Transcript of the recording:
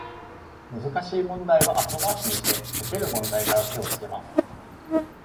難しい問題は後回しにして、解ける問題から手をつけます